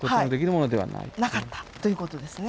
なかったということですね。